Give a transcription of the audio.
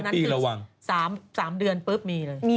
ตอนนั้นคือ๓เดือน